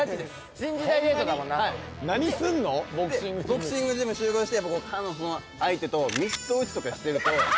ボクシングジムに集合して彼女と相手とミット打ちとかしてると。